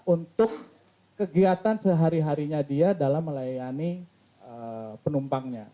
untuk kegiatan sehari harinya dia dalam melayani penumpangnya